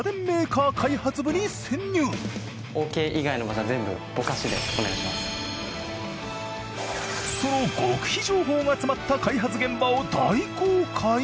今話題のその極秘情報が詰まった開発現場を大公開！？